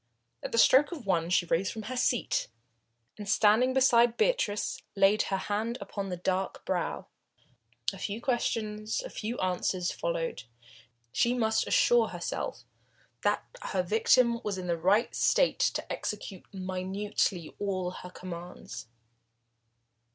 At the stroke of one she rose from her seat, and standing beside Beatrice laid her hand upon the dark brow. A few questions, a few answers followed. She must assure herself that her victim was in the right state to execute minutely all her commands.